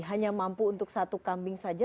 hanya mampu untuk satu kambing saja